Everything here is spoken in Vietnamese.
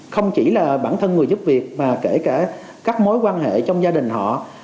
không chỉ là bản thân người giúp việc mà kể cả các mối quan hệ trong gia đình họ